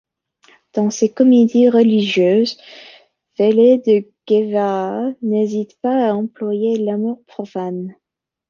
Dans ses comédies religieuses, Vélez de Guevara n’hésite pas à employer l’amour profane.